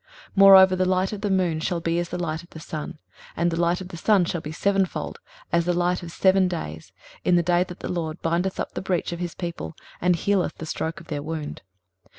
23:030:026 Moreover the light of the moon shall be as the light of the sun, and the light of the sun shall be sevenfold, as the light of seven days, in the day that the LORD bindeth up the breach of his people, and healeth the stroke of their wound.